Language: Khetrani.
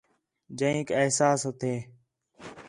جئینک احساس ہتھے